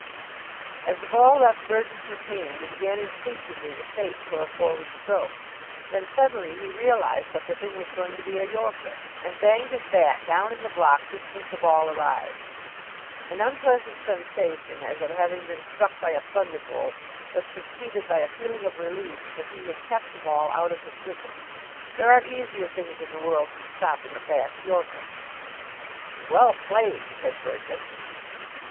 As the ball left Burgess's hand he began instinctively to shape for a forward stroke. Then suddenly he realised that the thing was going to be a yorker, and banged his bat down in the block just as the ball arrived. An unpleasant sensation as of having been struck by a thunderbolt was succeeded by a feeling of relief that he had kept the ball out of his wicket. There are easier things in the world than stopping a fast yorker. "Well played," said Burgess.